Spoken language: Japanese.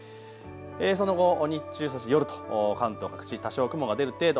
その後、日中、そして夜と関東各地、多少雲が出る程度。